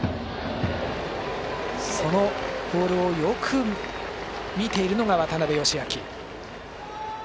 そのボールをよく見ているのが渡邊佳明。